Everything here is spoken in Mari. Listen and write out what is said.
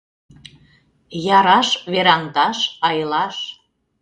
Яраш — вераҥдаш, айлаш.